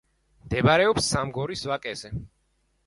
მდებარეობს სამგორის ვაკეზე.